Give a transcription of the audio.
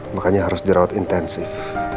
makanya harus jerawat intensif